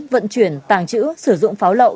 vận chuyển tàng trữ sử dụng pháo lậu